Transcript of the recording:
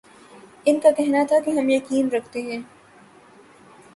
ان کا کہنا تھا کہ ہم یقین رکھتے ہیں